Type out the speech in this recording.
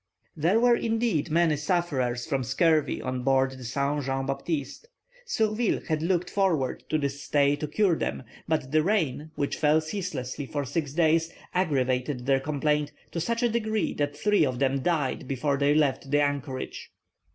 There were indeed many sufferers from scurvy on board the Saint Jean Baptiste. Surville had looked forward to this stay to cure them, but the rain, which fell ceaselessly for six days, aggravated their complaint to such a degree that three of them died before they left the anchorage.